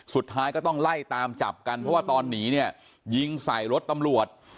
สุดท้ายก็ต้องไล่ตามจับกันเพราะว่าตอนหนีเนี่ยยิงใส่รถตำรวจ